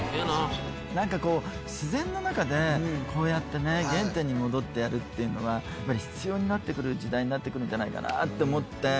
なんかこう自然の中でこうやってね原点に戻ってやるっていうのはやっぱり必要になってくる時代になってくるんじゃないかなって思って。